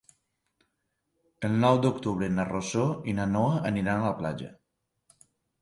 El nou d'octubre na Rosó i na Noa aniran a la platja.